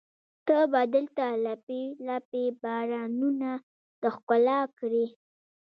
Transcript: ته به دلته لپې، لپې بارانونه د ښکلا کړي